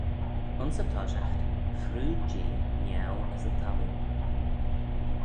Ayns y toshiaght chroo Jee niau as y thalloo.